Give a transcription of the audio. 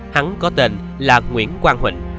hắn có tên là nguyễn quang huỳnh